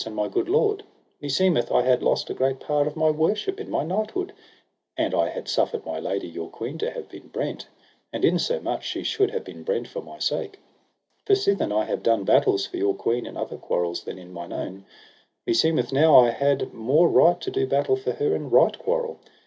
And my good lord, meseemeth I had lost a great part of my worship in my knighthood an I had suffered my lady, your queen, to have been brent, and insomuch she should have been brent for my sake. For sithen I have done battles for your queen in other quarrels than in mine own, meseemeth now I had more right to do battle for her in right quarrel.